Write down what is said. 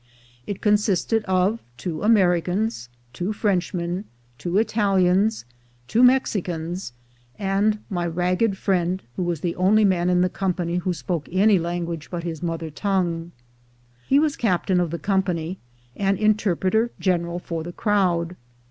It consisted of two Americans, two Frenchmen, two Italians, two Mexicans, and my ragged friend, who was the only man in the company who spoke any language but his mother tongue. He was captain of the company, and interpreter general for the crowd.